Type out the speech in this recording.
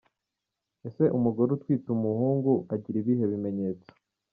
Ese umugore utwite umuhungu agira ibihe bimenyetso?.